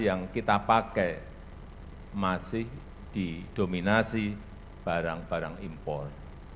yang kita pakai masih didominasi barang barang impor